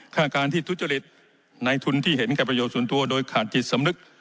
ฆ่าการที่ทุจริตในทุนที่เห็นแก่ประโยชน์ส่วนตัวโดยขาดจิตสำนึก